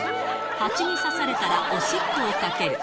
ハチに刺されたら、おしっこをかける。